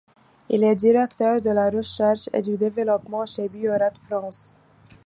Il est directeur de la recherche et du développement chez Bio-Rad France.